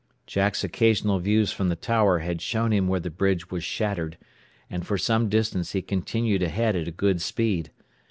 Jack's occasional views from the tower had shown him where the bridge was shattered; and for some distance he continued ahead at a good speed.